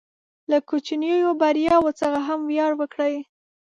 له کوچنیو بریاوو څخه هم ویاړ وکړئ.